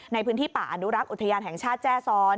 ในพื้นที่ป่าอนุรักษ์อุทยานแห่งชาติแจ้ซ้อน